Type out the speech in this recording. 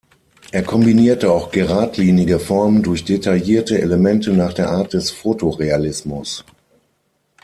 Er kombinierte auch geradlinige Formen durch detaillierte Elemente nach der Art des Fotorealismus.